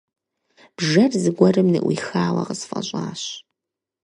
Бжэр зыгуэрым ныӀуихауэ къысфӀэщӀащ.